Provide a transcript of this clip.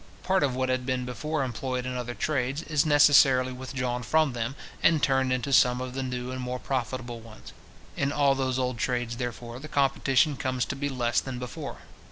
Part of what had before been employed in other trades, is necessarily withdrawn from them, and turned into some of the new and more profitable ones. In all those old trades, therefore, the competition comes to be less than before.